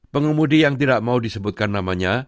pengemudi yang tidak mau disebutkan namanya